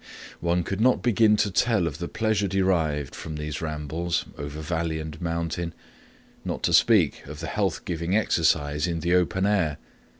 One could not begin to tell of the pleasure derived from these rambles over valley and mountain, not to speak of the health giving exercise in the open air.